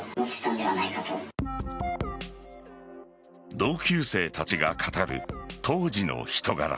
同級生たちが語る当時の人柄。